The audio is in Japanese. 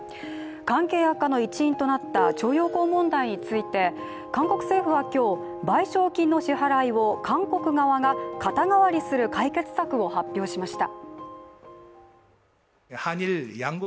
関係悪化の一因となった徴用工問題について韓国政府は今日、賠償金の支払いを韓国側が肩代わりする解決策を発表しました。